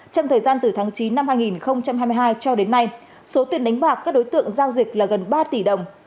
trong thời gian từ tháng chín năm hai nghìn hai mươi hai cho đến nay số tiền đánh bạc các đối tượng giao dịch là gần ba tỷ đồng